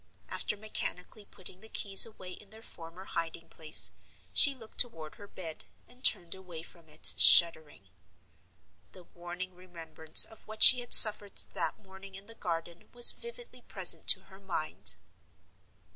After mechanically putting the keys away in their former hiding place, she looked toward her bed, and turned away from it, shuddering. The warning remembrance of what she had suffered that morning in the garden was vividly present to her mind.